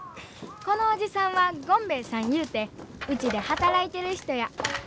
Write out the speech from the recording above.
このおじさんはゴンベエさんいうてウチで働いてる人や。